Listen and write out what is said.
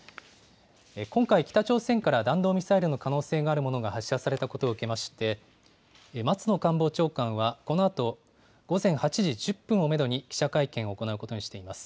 今回、北朝鮮から弾道ミサイルの可能性があるものが発射されたことを受けまして、松野官房長官は、このあと午前８時１０分をメドに記者会見を行うことにしています。